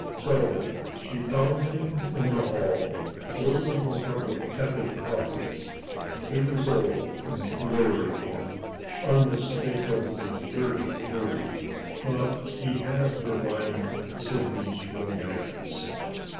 So she found him in the hall, holding a cup of tepid coffee. He was old and bleary, unmistakably dirty too but he had divined Sidney's romance.